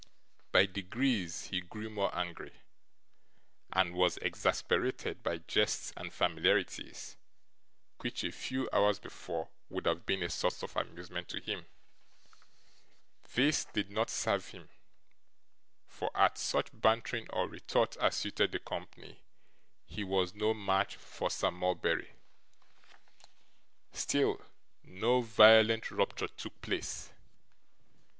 By degrees, he grew more angry, and was exasperated by jests and familiarities which, a few hours before, would have been a source of amusement to him. This did not serve him; for, at such bantering or retort as suited the company, he was no match for Sir Mulberry. Still, no violent rupture took place.